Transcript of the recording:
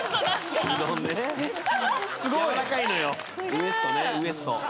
ウエストねウエスト。